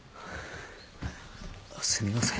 すみません。